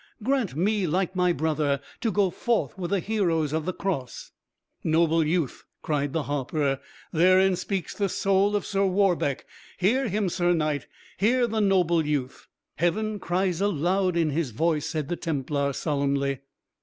grant me, like my brother, to go forth with the heroes of the Cross!" "Noble youth," cried the harper, "therein speaks the soul of Sir Warbeck; hear him, sir knight, hear the noble youth." "Heaven cries aloud in his voice," said the Templar, solemnly.